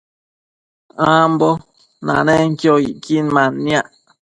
ambo nanenquio icquin manniac